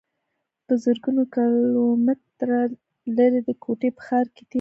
پۀ زرګونو کلومټره لرې د کوټې پۀ ښار کښې تير کړو